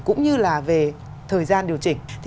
cũng như là về thời gian điều chỉnh